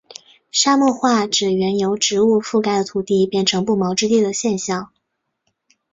沙漠化指原由植物覆盖的土地变成不毛之地的现象。